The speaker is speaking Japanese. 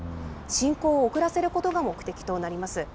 進行を遅らせることが目的となります。